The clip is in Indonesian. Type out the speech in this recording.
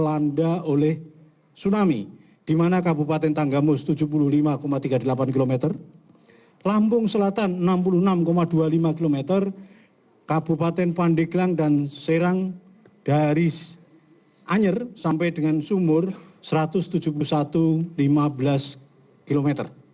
dilanda oleh tsunami di mana kabupaten tanggamus tujuh puluh lima tiga puluh delapan km lampung selatan enam puluh enam dua puluh lima km kabupaten pandeglang dan serang dari anyer sampai dengan sumur satu ratus tujuh puluh satu lima belas km